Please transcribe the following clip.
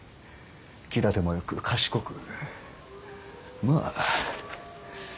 気立てもよく賢くまあ